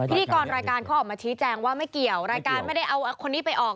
พิธีกรรายการเขาออกมาชี้แจงว่าไม่เกี่ยวรายการไม่ได้เอาคนนี้ไปออก